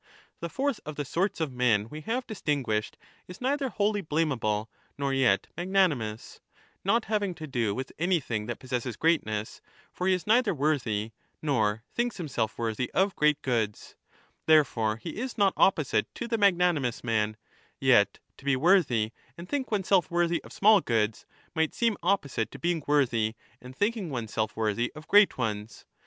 The fourth of the sorts of men we have distinguished is neither wholly blameable nor yet magnanimous, not having to do with anything that possesses greatness, for he is neither worthy nor thinks himself worthy of great goods ; therefore, he is not opposite to the magnanimous man ; yet to be 20 worthy and think oneself worthy of small goods might seem opposite to being worthy and thinking oneself worthy of great ones.